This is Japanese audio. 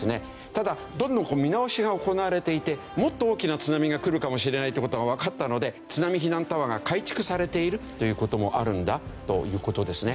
ただどれも見直しが行われていてもっと大きな津波が来るかもしれないという事がわかったので津波避難タワーが改築されているという事もあるんだという事ですね。